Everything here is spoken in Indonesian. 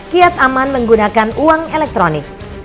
kiat aman menggunakan uang elektronik